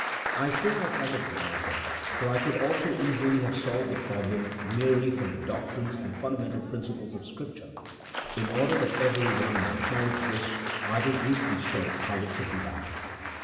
I say I thought it wiser, for I could also easily have solved the problem merely from the doctrines and fundamental principles of Scripture : in order that every one may acknowledge this, I will briefly show how it could be done.